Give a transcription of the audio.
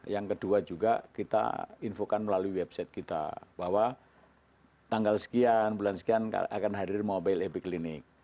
yang kedua juga kita infokan melalui website kita bahwa tanggal sekian bulan sekian akan hadir mobile epiclinik